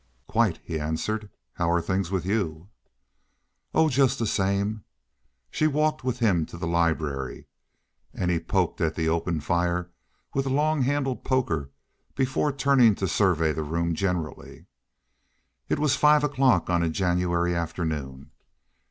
"Quite," he answered. "How are things with you?" "Oh, just the same." She walked with him to the library, and he poked at the open fire with a long handled poker before turning around to survey the room generally. It was five o'clock of a January afternoon.